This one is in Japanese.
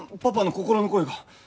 パパの心の声が。